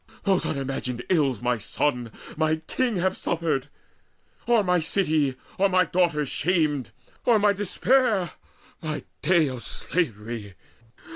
Those unimagined ills my sons, my king Have suffered? or my city, or daughters shamed? Or my despair, my day of slavery?